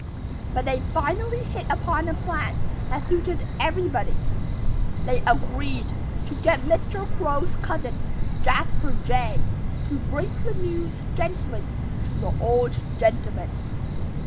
But they finally hit upon a plan that suited everybody. They agreed to get Mr. Crow's cousin, Jasper Jay, to break the news gently to the old gentleman.